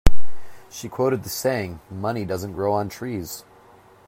She quoted the saying: money doesn't grow on trees.